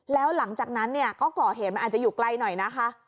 แล้วหลังจากนั้นเนี่ยก็ก่อเหตุมันอาจจะอยู่ไกลหน่อยนะคะ